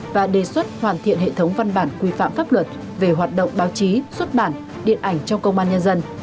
và đề xuất hoàn thiện hệ thống văn bản quy phạm pháp luật về hoạt động báo chí xuất bản điện ảnh trong công an nhân dân